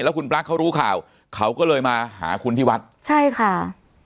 คุณปลั๊กเขารู้ข่าวเขาก็เลยมาหาคุณที่วัดใช่ค่ะ